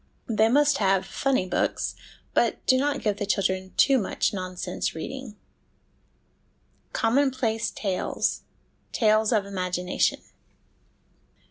They must have ' funny books,' but do not give the children too much nonsense reading. Commonplace Tales ; Tales of Imagination.